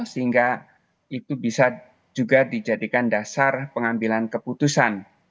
sehingga itu bisa juga dijadikan dasar pengambilan keputusan